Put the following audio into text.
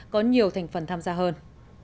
có nhiều thành phần tham gia hơn